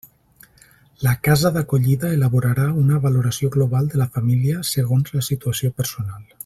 La casa d'acollida elaborarà una valoració global de la família, segons la situació personal.